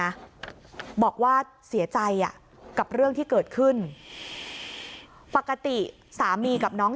นะบอกว่าเสียใจอ่ะกับเรื่องที่เกิดขึ้นปกติสามีกับน้อง